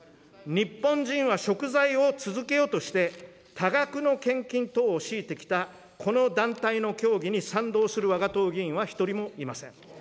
日本人はしょく罪を続けよとして、多額の献金等を強いてきた、この団体の教義に賛同するわが党議員は一人もいません。